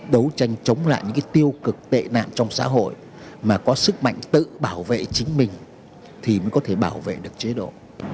đấu tranh chống lại những cái tiêu cực tệ nạn trong xã hội mà có sức mạnh tự bảo vệ chính mình thì mới có thể bảo vệ được chế độ